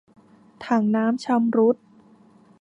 ถังน้ำชำรุด